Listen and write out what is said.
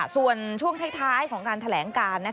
ส่วนช่วงท้ายของการแถลงการ